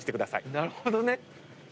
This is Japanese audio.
なるほどね。